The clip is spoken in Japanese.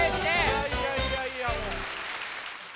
いやいやいやいやもう。